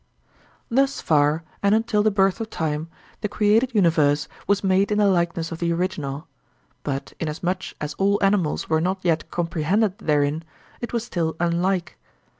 Thus far and until the birth of time the created universe was made in the likeness of the original, but inasmuch as all animals were not yet comprehended therein, it was still unlike.